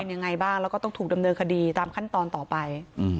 ยังไงบ้างแล้วก็ต้องถูกดำเนินคดีตามขั้นตอนต่อไป